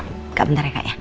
nggak bentar ya kak ya